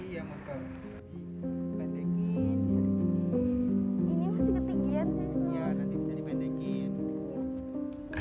iya nanti bisa dibendekin